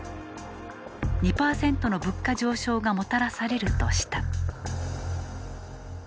２％の物価上昇がもたらされるとした。